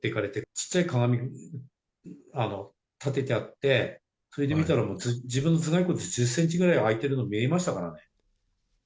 ちっちゃい鏡立ててあって、それで見たら自分の頭蓋骨１０センチぐらい開いてるのが見えまし